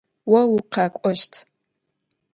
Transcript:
О укъэкӏощт.